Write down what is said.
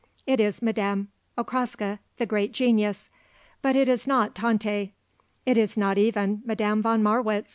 It is Madame Okraska, the great genius; but it is not Tante; it is not even Madame von Marwitz."